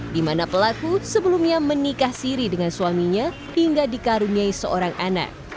di mana pelaku sebelumnya menikah siri dengan suaminya hingga dikaruniai seorang anak